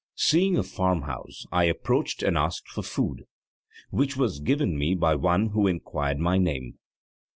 Seeing a farmhouse, I approached and asked for food, which was given me by one who inquired my name.